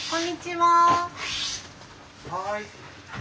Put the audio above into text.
はい。